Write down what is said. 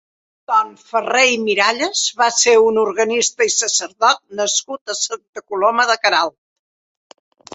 Anton Ferrer i Miralles va ser un organista i sacerdot nascut a Santa Coloma de Queralt.